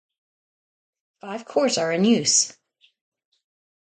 Five courts are in use.